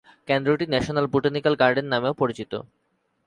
কেন্দ্রটি national botanical garden নামেও পরিচিত।